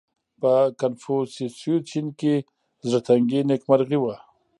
• په کنفوسیوسي چین کې زړهتنګي نېکمرغي وه.